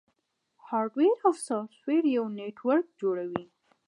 هارډویر او سافټویر یو نیټورک جوړوي.